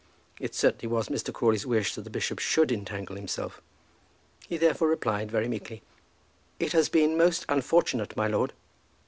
It certainly was Mr. Crawley's wish that the bishop should entangle himself. He, therefore, replied very meekly, "It has been most unfortunate, my lord."